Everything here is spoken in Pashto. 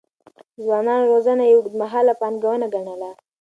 د ځوانانو روزنه يې اوږدمهاله پانګونه ګڼله.